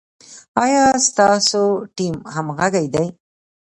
ایا ستاسو ټیم همغږی دی؟